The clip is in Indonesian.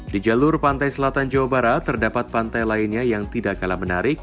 di jalur pantai selatan jawa barat terdapat pantai lainnya yang tidak kalah menarik